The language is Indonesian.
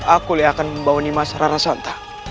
aku akan membawa nimasara rasanta